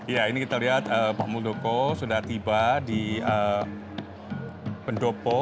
ya ini kita lihat pak muldoko sudah tiba di pendopo